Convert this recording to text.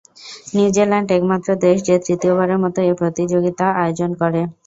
New Zealand একমাত্র দেশ যে তৃতীয়বারের মত এ প্রতিযোগিতা আয়োজন করে।